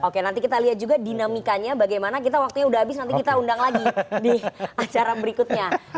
oke nanti kita lihat juga dinamikanya bagaimana kita waktunya udah habis nanti kita undang lagi di acara berikutnya